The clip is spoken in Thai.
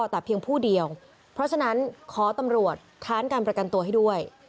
แต่เพียงผู้เดียวเพราะฉะนั้นขอตำรวจค้านการประกันตัวให้ด้วย